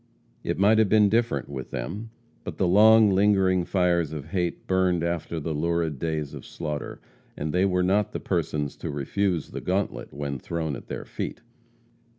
It might have been different with them. But the long, lingering fires of hate burned after the lurid days of slaughter, and they were not the persons to refuse the gauntlet when thrown at their feet.